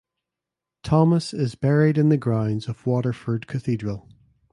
Thomas is buried in the grounds of Waterford Cathedral.